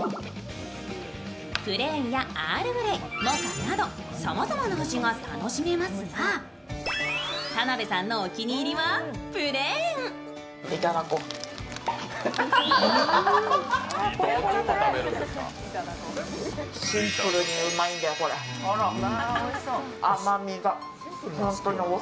プレーンやアールグレイ、モカなどさまざまな味が楽しめますが田辺さんのお気に入りは、プレーンいただこう。